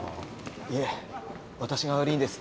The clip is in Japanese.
いえ私が悪いんです。